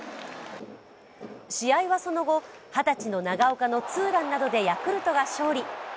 試合はその後、二十歳の長岡のツーランなどでヤクルトが勝利。